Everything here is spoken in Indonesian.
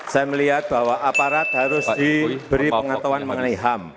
saya melihat bahwa aparat harus diberi pengetahuan mengenai ham